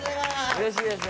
うれしいですね。